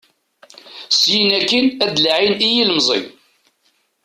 Syin akkin ad laɛin i yilemẓi.